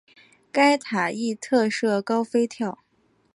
该塔亦特设高飞跳。